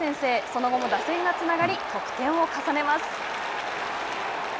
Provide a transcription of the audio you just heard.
その後も打線がつながり得点を重ねます。